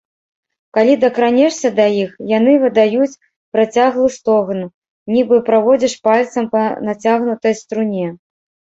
Калі дакранешся да іх, яны выдаюць працяглы стогн, нібы праводзіш пальцам па нацягнутай струне.